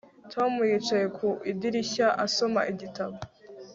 Tom yicaye ku idirishya asoma igitabo